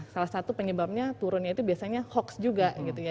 salah satu penyebabnya turunnya itu biasanya hoax juga